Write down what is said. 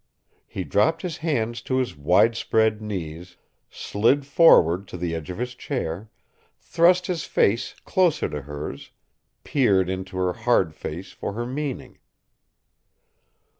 He dropped his hands to his widespread knees, slid forward to the edge of his chair, thrust his face closer to hers, peered into her hard face for her meaning.